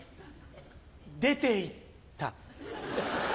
出ていった。